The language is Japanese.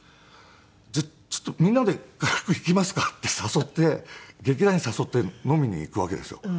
「じゃあちょっとみんなで軽くいきますか」って誘って劇団員誘って飲みに行くわけですよ。